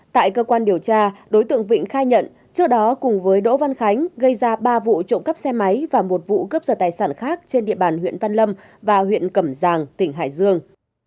tại cơ quan điều tra đối tượng vịnh khai nhận trước đó cùng với đỗ văn khánh gây ra ba vụ trộm cắp xe máy và một vụ cướp giật tài sản khác trên địa bàn huyện văn lâm và huyện cẩm giang tỉnh hải dương